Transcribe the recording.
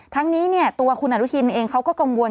ทั้งนี้ตัวคุณอนุทินเองเขาก็กังวล